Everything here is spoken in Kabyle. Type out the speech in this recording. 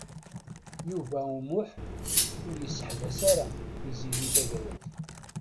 Yuba U Muḥ ur yessehbes ara Tiziri Tagawawt.